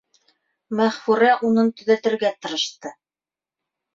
Мәғфүрә уны төҙәтергә тырышты: